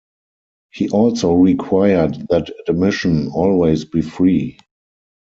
He also required that admission always be free.